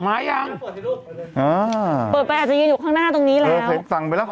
มายังอ่าเปิดไปอาจจะยืนอยู่ข้างหน้าตรงนี้แล้วโอเคสั่งไปแล้วค่ะ